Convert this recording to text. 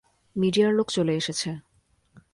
মিডিয়ার লোক চলে এসেছে।